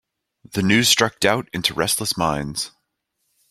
The news struck doubt into restless minds.